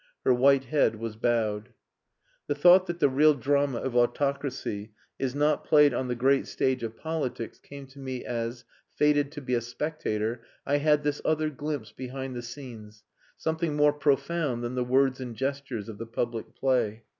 Her white head was bowed. The thought that the real drama of autocracy is not played on the great stage of politics came to me as, fated to be a spectator, I had this other glimpse behind the scenes, something more profound than the words and gestures of the public play.